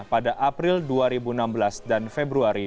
pada april dua ribu enam belas dan februari dua ribu lima belas